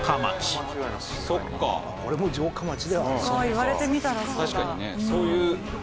言われてみたらそうだ。